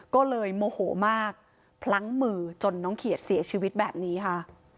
ก็เลยโมโหมากพลั้งมือจนน้องเขียดเสียชีวิตแบบนี้ค่ะ